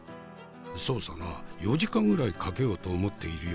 「そうさな４時間ぐらいかけようと思っているよ」。